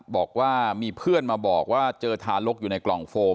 บอกว่ามีเพื่อนมาบอกว่าเจอทารกอยู่ในกล่องโฟม